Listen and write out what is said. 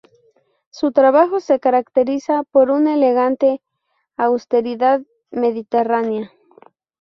Su trabajo se caracteriza por "un elegante austeridad mediterránea".